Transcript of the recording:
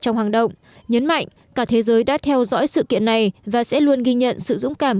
trong hang động nhấn mạnh cả thế giới đã theo dõi sự kiện này và sẽ luôn ghi nhận sự dũng cảm